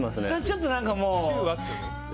ちょっと何かもう。